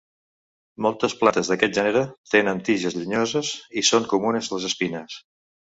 Moltes plantes d'aquest gènere tenen tiges llenyoses i són comunes les espines.